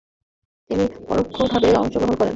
তিনি পরোক্ষভাবে অংশগ্রহণ করেন।